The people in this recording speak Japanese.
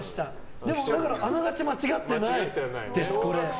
だからあながち間違ってないです。